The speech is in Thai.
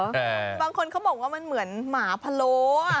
บางคนเขาบอกว่ามันเหมือนหมาพะโล้อ่ะ